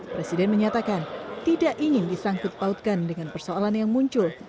presiden menyatakan tidak ingin disangkut pautkan dengan persoalan yang muncul